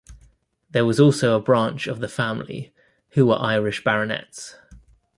There was also a branch of the family who were Irish baronets.